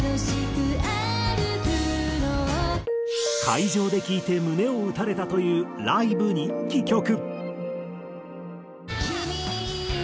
会場で聴いて胸を打たれたというライブ人気曲。